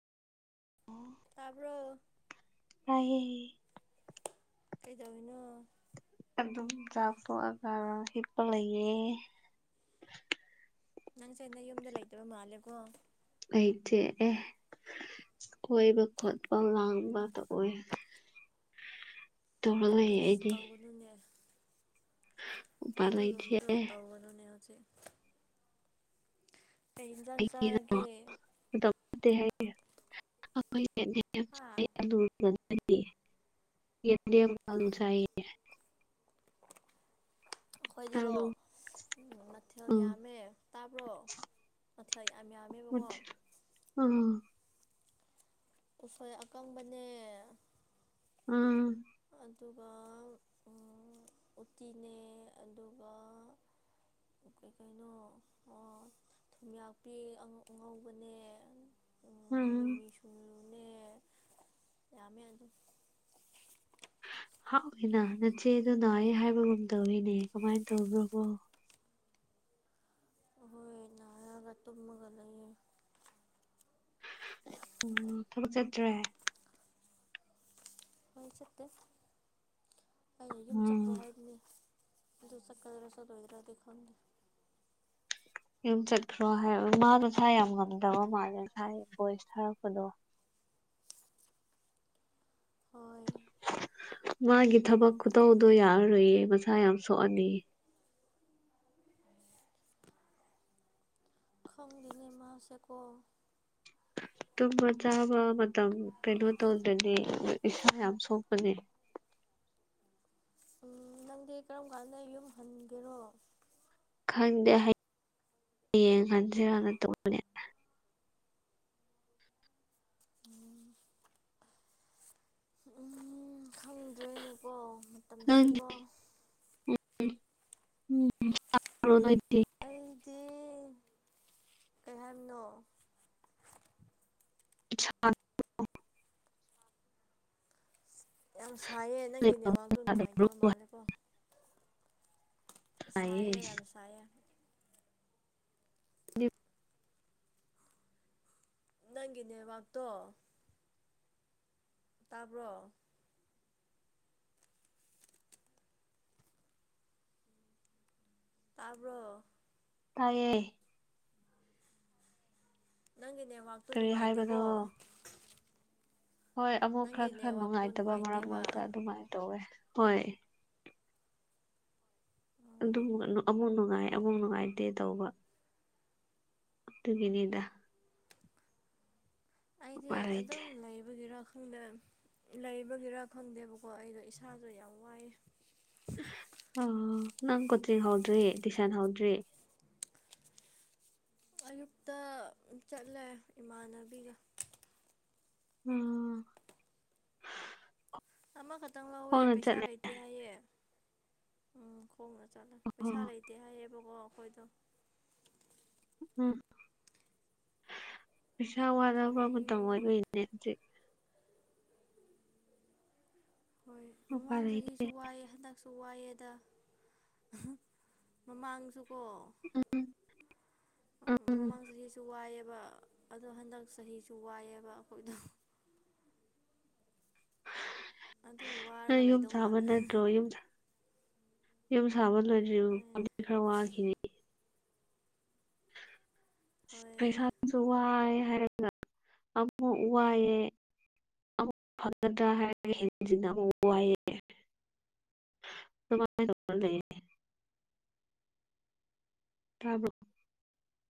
ꯇꯥꯕ꯭ꯔꯣ ꯔ ꯀꯩꯗꯃꯤꯅꯣ ꯑꯗꯨꯝ ꯆꯥꯛꯊꯣꯛꯑꯒ ꯍꯤꯞꯄ ꯂꯩꯌꯦ ꯅꯪꯁꯦ ꯑꯩꯅ ꯌꯨꯝꯗ ꯂꯩꯇꯕ ꯃꯥꯜꯂꯦꯀꯣ ꯂꯩꯩꯇꯦ ꯑꯦ ꯀꯣꯏꯕ ꯈꯣꯠꯄ ꯂꯥꯡꯕꯗ ꯑꯣꯏ ꯇꯧꯔꯛ ꯂꯩꯌꯦ ꯑꯁ ꯑꯩꯗꯤ ꯇꯧꯒꯅꯨꯅꯦ ꯎꯄꯥꯏ ꯂꯩꯇꯦ ꯑꯗꯨꯒꯨꯝꯕꯗꯣ ꯇꯥꯎꯒꯅꯨꯅꯦ ꯍꯧꯖꯤꯛ ꯀꯩ ꯌꯦꯟꯁꯥꯡ ꯑꯩꯒꯤꯗꯣ ꯆꯥꯔꯒꯦ ꯃꯇꯝ ꯅꯠꯇꯦ ꯍꯥꯏꯌꯦ ꯑꯩꯈꯣꯏ ꯗꯤ ꯆ ꯍꯥ ꯑꯩꯈꯣꯏꯗꯤꯀꯣ ꯃꯊꯦꯜ ꯎꯝ ꯌꯥꯝꯃꯦ ꯇꯥꯕ꯭ꯔꯣ ꯃꯊꯦꯜ ꯌꯥꯝ ꯌꯥꯝꯃꯦꯕꯀꯣ ꯑ ꯎꯈꯣꯏ ꯑꯀꯪꯕꯅꯦ ꯎꯝ ꯑꯗꯨꯒ ꯎꯇꯤꯅꯦ ꯑꯗꯨꯒ ꯀꯩ ꯀꯩꯅꯣ ꯑꯣ ꯊꯨꯝꯌꯥꯛꯄꯤ ꯑꯉꯧꯕꯅꯦ ꯍꯝ ꯑ ꯌꯥꯃꯦ ꯑꯗꯨ ꯍꯥꯎꯏꯅ ꯅꯆꯦꯗꯅꯑ ꯍꯥꯏꯕꯒꯨꯝ ꯇꯧꯋꯤꯅꯦ ꯀꯃꯥꯏꯅ ꯇꯧꯕ꯭ꯔꯣꯕꯣ ꯍꯣꯏꯟꯅꯔꯒ ꯇꯨꯝꯃꯒ ꯂꯩꯌꯦ ꯎ ꯊꯕꯛ ꯆꯠꯇ꯭ꯔꯦ ꯍꯣꯏ ꯆꯠꯇꯦ ꯑꯩꯩꯅ ꯌꯨꯝ ꯆꯠꯈ꯭ꯔꯣ ꯎꯝ ꯍꯥꯏꯕꯅꯦ ꯗ ꯆꯥ ꯀꯗꯔꯁꯗ ꯏꯗꯔꯥꯗꯤ ꯈꯣꯟꯗ ꯌꯨꯝ ꯆꯠꯈ꯭ꯔꯣ ꯍꯥꯏꯕ ꯃꯥꯅ ꯊꯥꯏ ꯌꯥꯝ ꯉꯝꯗꯕ ꯃꯥꯁ ꯊꯥꯏ ꯚꯣꯏꯁ ꯊꯥꯔꯛꯄꯗꯣ ꯑꯣꯏ ꯃꯥꯒꯤ ꯊꯕꯛ ꯈꯨꯇꯧꯗꯣ ꯌꯥꯔꯔꯣꯏꯌꯦ ꯃꯁꯥ ꯌꯥꯝ ꯁꯣꯛꯑꯅꯤ ꯈꯣꯡ ꯅꯤꯃꯥꯁꯀ ꯇꯨꯝꯕ ꯆꯥꯕ ꯃꯇꯝ ꯀꯩꯅꯣ ꯇꯧꯗꯅꯤ ꯏꯁꯥ ꯌꯥꯝ ꯁꯣꯛꯄꯅꯦ [inaudible] ꯎꯝ ꯅꯪꯗꯤ ꯀꯔꯝ ꯀꯥꯟꯗ ꯌꯨꯝ ꯍꯟꯒꯦꯔꯣ ꯈꯪꯗꯦ ꯍꯌꯦꯡꯌꯦꯡ ꯈꯟꯁꯤꯔꯅ ꯇꯧꯕꯅꯦ ꯎꯝ ꯎꯝ ꯈꯪꯗ꯭ꯔꯦꯅꯦꯀꯣ ꯃꯇꯝꯁꯦꯀꯣ ꯎꯝ ꯑꯩꯗꯤ ꯀꯩ ꯍꯥꯏꯝꯅꯣ ꯄ ꯌꯥꯝ ꯁꯥꯏꯌꯦ ꯅꯪꯒꯤ ꯅꯦꯠꯋꯥꯛꯇꯣ ꯅꯨꯡꯉꯥꯏꯇꯕ ꯃꯥꯜꯂꯦꯀꯣ ꯁꯌꯦ ꯌꯥꯝ ꯌꯥꯝ ꯁꯌꯦ ꯑꯗꯨ ꯅꯪꯒꯅꯦꯦ ꯋꯥꯥꯛꯇꯣ ꯇꯥꯕ꯭ꯔꯣ ꯇꯥꯔꯕ ꯇꯥꯏꯌꯦ ꯅꯪꯒꯤ ꯅꯦꯠꯋꯥꯛꯇꯣ ꯀꯔꯤ ꯍꯥꯏꯕꯅꯣ ꯅꯨꯡꯉꯥꯏꯇꯦꯀꯣ ꯍꯣꯏ ꯑꯃꯨꯛ ꯅꯪꯒꯤ ꯈꯔ ꯈꯔ ꯅꯦꯠꯋꯥꯛꯇꯣ ꯅꯨꯡꯉꯥꯏꯇꯕ ꯃꯔꯛ ꯅꯨꯡꯉꯥꯏꯇꯦꯕ ꯃꯔꯛꯇ ꯑꯗꯨꯃꯥꯏꯅ ꯇꯧꯋꯦ ꯍꯣꯏ ꯑꯗꯨ ꯑꯃꯨꯛ ꯅꯨꯡꯉꯥꯏ ꯑꯃꯨꯛ ꯅꯨꯡꯉꯥꯏꯇꯦ ꯇꯧꯕ ꯑꯗꯨꯇꯒꯤꯅꯤꯗ ꯑꯩꯗꯤ ꯑꯗꯨꯝ ꯂꯩꯕꯒꯤꯔꯣ ꯈꯪꯗ ꯂꯩꯕꯒꯤꯔ ꯈꯪꯗꯦꯕꯀꯣ ꯑꯩꯗꯣ ꯏꯁꯥꯁꯨ ꯌꯥꯝ ꯋꯥꯏꯑꯦ ꯑ ꯅꯪ ꯀꯇ꯭ꯔꯤꯒ ꯍꯥꯎꯗ꯭ꯔꯤ ꯇꯁꯟ ꯍꯥꯎꯗ꯭ꯔꯤ ꯑꯌꯨꯛꯇ ꯆꯠꯂꯦ ꯏꯃꯥꯟꯅꯕꯤꯒ ꯎꯝ ꯑꯃꯈꯛꯇꯪ ꯂꯧꯋꯦ ꯈꯣꯡꯅ ꯄꯩꯁꯥ ꯆꯠꯂꯦ ꯂꯩꯇꯦ ꯍꯥꯏꯌꯦ ꯎꯝ ꯈꯣꯡꯅ ꯆꯠꯂ ꯄꯩꯁꯥ ꯑꯣ ꯂꯩꯇꯦ ꯍꯥꯏꯌꯦꯕꯀꯣ ꯑꯩꯈꯣꯏꯗꯣ ꯎꯝ ꯄꯩꯁꯥ ꯋꯥꯗꯕ꯭ꯔ ꯈꯪꯗ꯭ꯔꯦ ꯃꯇꯝ ꯑꯣꯏꯕ ꯏꯅꯦ ꯍꯧꯖꯤ ꯍꯣꯏ ꯎꯄꯥꯏ ꯃꯃꯥꯡ ꯂꯩꯇꯦ ꯆꯍꯤꯁꯨ ꯋꯥꯏꯑꯦ ꯍꯟꯗꯛ ꯁꯨ ꯋꯥꯏꯑꯦꯗ ꯃꯃꯥꯡꯁꯨ ꯎꯝ ꯎꯝ ꯃꯃꯥꯡ ꯆꯍꯤꯁꯨ ꯋꯥꯏꯑꯦꯕ ꯑꯗꯣ ꯍꯟꯗꯛ ꯆꯍꯤꯁꯨ ꯋꯥꯏꯑꯦꯕ ꯑꯩꯈꯣꯏꯗ ꯑꯗꯨꯝ ꯋꯥꯔꯒ ꯂꯩꯗꯧ ꯃꯥꯜꯂꯦ ꯌ ꯁꯥꯕ ꯍꯣꯏ ꯂꯣꯏꯗꯝꯕꯤ ꯈꯔ ꯋꯥꯈꯤꯅꯤ ꯍꯣꯏ ꯄꯩꯁꯥꯁꯨ ꯍꯥꯏꯔ ꯑꯃ ꯋꯥ ꯋꯥꯑꯦ ꯑꯃꯨꯛ ꯐꯪꯒꯗ꯭ꯔꯥ ꯍꯥꯏꯔꯒ ꯍꯁꯤꯅ ꯑꯃꯨꯛ ꯋꯥꯏꯑ ꯑꯗꯨꯃ ꯇꯧ ꯂꯩꯅꯤ ꯇꯥꯕ